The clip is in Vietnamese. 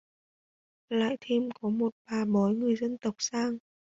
Lại thêm có một bà bói người dân tộc sang